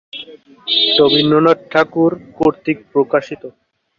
শ্রী রবীন্দ্রনাথ ঠাকুর কর্ত্তৃক প্রকাশিত।